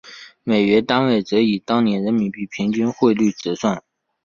美元单位则以当年人民币平均汇率折算。